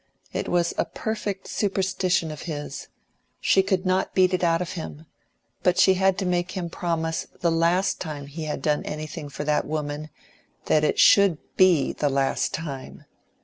It was a perfect superstition of his; she could not beat it out of him; but she had made him promise the last time he had done anything for that woman that it should BE the last time.